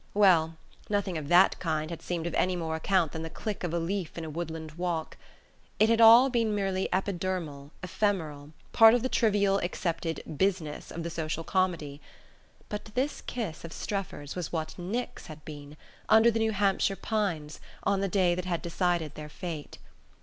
Well nothing of that kind had seemed of any more account than the click of a leaf in a woodland walk. It had all been merely epidermal, ephemeral, part of the trivial accepted "business" of the social comedy. But this kiss of Strefford's was what Nick's had been, under the New Hampshire pines, on the day that had decided their fate.